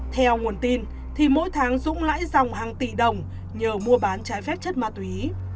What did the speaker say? theo nguồn tin thì mỗi tháng dũng lãi dòng hàng tỷ đồng nhờ mua bán trái phép chất ma túy